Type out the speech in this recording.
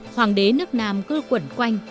hoàng đế nước nam cứ quẩn quanh